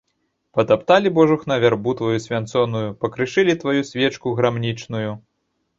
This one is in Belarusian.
Патапталі, божухна, вярбу тваю свянцоную, пакрышылі тваю свечку грамнічную.